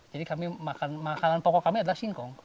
jadi makanan pokok kami adalah singkong